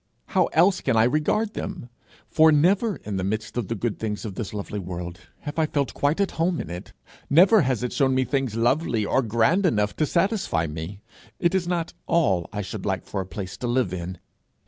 How else can I regard them? For never, in the midst of the good things of this lovely world, have I felt quite at home in it. Never has it shown me things lovely or grand enough to satisfy me. It is not all I should like for a place to live in.